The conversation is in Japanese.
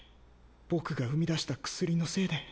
僕が生み出した薬のせいで。